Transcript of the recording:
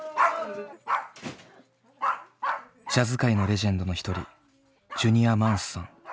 ジャズ界のレジェンドの一人ジュニア・マンスさん。